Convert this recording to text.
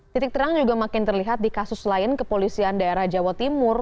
titik terang juga makin terlihat di kasus lain kepolisian daerah jawa timur